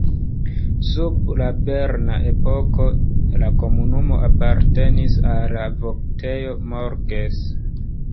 Sub la berna epoko la komunumo apartenis al la Voktejo Morges.